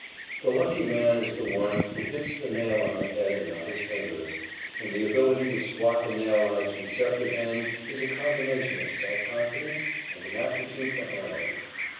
The lucky man is the one who hits the nail on the head and not his fingers, and the ability to swat the nail on its receptive end is a combination of self confidence and an aptitude for hammering.